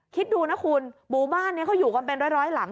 คิดดูนะคุณหมู่บ้านนี้เขาอยู่กันเป็นร้อยหลัง